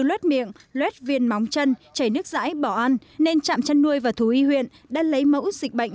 luết miệng loét viên móng chân chảy nước rãi bỏ ăn nên trạm chăn nuôi và thú y huyện đã lấy mẫu dịch bệnh